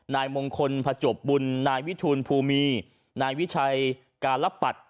นายมงคลผจวบบุญนายวิทูลภูมีนายวิชัยการปัด